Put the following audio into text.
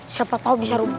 siapa tau bisa rubuh